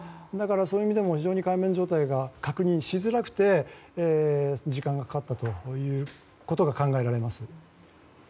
そういう意味でも状態が確認しづらくて時間がかかったということが考えられます。